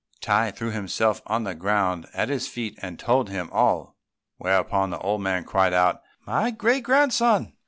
Tai threw himself on the ground at his feet, and told him all; whereupon the old man cried out, "My great grandson!"